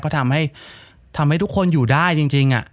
ก็ทำให้ทุกคนอยู่ได้จริง